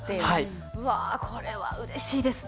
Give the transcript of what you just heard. うわこれは嬉しいです。